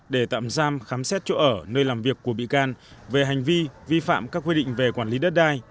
để tạm giam khám xét chỗ ở nơi làm việc của bị can về hành vi vi phạm các quy định về quản lý đất đai